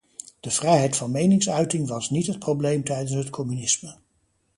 De vrijheid van meningsuiting was niet het probleem tijdens het communisme.